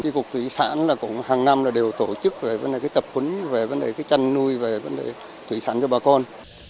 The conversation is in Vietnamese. cái vụ thủy sản là cũng hàng năm đều tổ chức về vấn đề tập huấn về vấn đề chăn nuôi về vấn đề thủy sản cho bà con